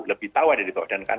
lebih tahu ada di tok dan kan